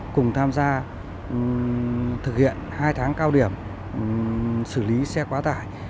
cùng tham gia thực hiện hai tháng cao điểm xử lý xe quá tải